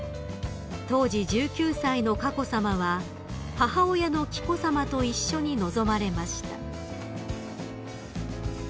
［当時１９歳の佳子さまは母親の紀子さまと一緒に臨まれました］